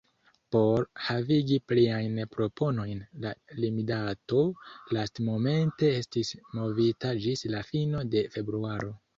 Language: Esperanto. Por havigi pliajn proponojn la limdato lastmomente estis movita ĝis la fino de februaro.